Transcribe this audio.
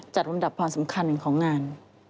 จัดลำดับพอสำคัญของงาน